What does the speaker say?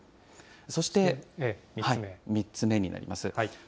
そして３つ目になります。